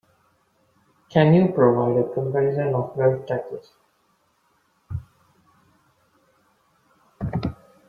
Can you provide a comparison of wealth taxes?